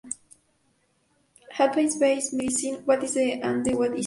Evidence based medicine: what it is and what it isn't.